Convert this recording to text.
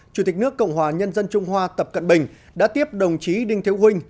chủ tịch nước cộng hòa nhân dân trung hoa tập cận bình đã tiếp đồng chí đinh thiếu huynh